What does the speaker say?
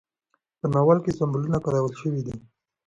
په ناول کې سمبولونه کارول شوي دي.